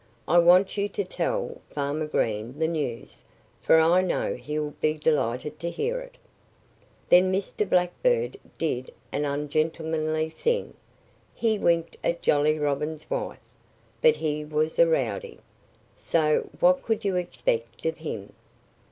"I want you to tell Farmer Green the news. For I know he'll be delighted to hear it." Then Mr. Blackbird did an ungentlemanly thing. He winked at Jolly Robin's wife. But he was a rowdy. So what could you expect of him?